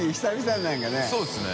そうですね。